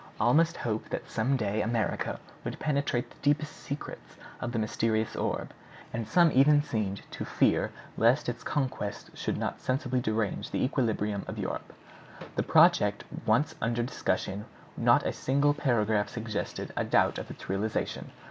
All must hope that some day America would penetrate the deepest secrets of that mysterious orb; and some even seemed to fear lest its conquest should not sensibly derange the equilibrium of Europe. The project once under discussion, not a single paragraph suggested a doubt of its realization.